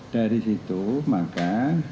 dari situ maka